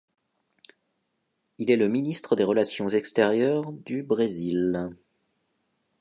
Il est le Ministre des relations extérieures du Brésil.